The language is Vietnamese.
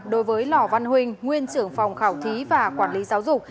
đối với lò văn huynh nguyên trưởng phòng khảo thí và quản lý giáo dục